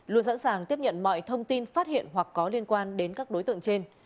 một nghìn sáu trăm sáu mươi bảy luôn sẵn sàng tiếp nhận mọi thông tin phát hiện hoặc có liên quan đến các đối tượng trên